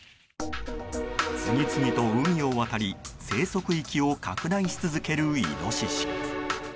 次々と海を渡り生息域を拡大し続けるイノシシ。